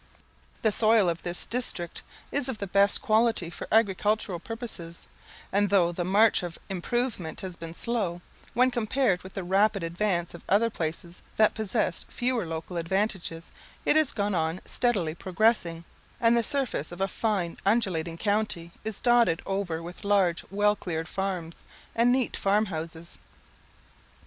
The soil of this district is of the best quality for agricultural purposes; and though the march of improvement has been slow, when compared with the rapid advance of other places that possessed fewer local advantages, it has gone on steadily progressing, and the surface of a fine undulating country is dotted over with large well cleared farms, and neat farmhouses.